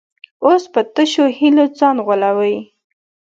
اوس په تشو هیلو ځان غولوي.